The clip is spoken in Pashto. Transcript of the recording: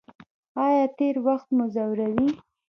ایا تیر وخت مو ځوروي؟